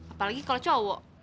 apalagi kalau cowok